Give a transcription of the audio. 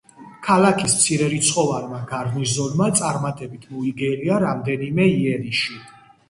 ქალაქის მცირერიცხოვანმა გარნიზონმა წარმატებით მოიგერია რამდენიმე იერიში.